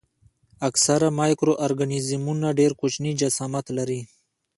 اکثره مایکرو ارګانیزمونه ډېر کوچني جسامت لري.